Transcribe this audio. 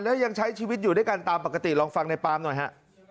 แล้วยังใช้ชีวิตอยู่ด้วยกันตามปกติลองฟังในปามหน่อยฮะ